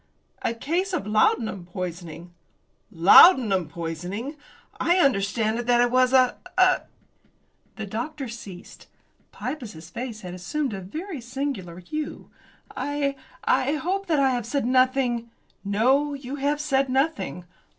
"A case of laudanum poisoning." "Laudanum poisoning!" "I understood that it was a " The doctor ceased. Pybus's face had assumed a very singular hue. "I I hope that I have said nothing " "No, you have said nothing.